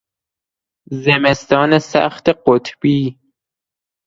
زمستان سخت قطبی